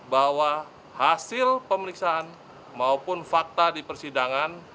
bahwa hasil pemeriksaan maupun fakta di persidangan